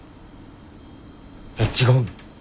えっ違うの？